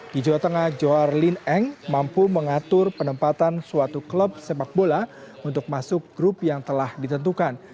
di jawa tengah johar lin eng mampu mengatur penempatan suatu klub sepak bola untuk masuk grup yang telah ditentukan